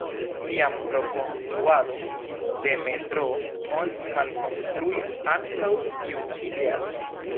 Tiam pro konstruado de metroo oni malkonstruis ankaŭ tiu ĉi teatron.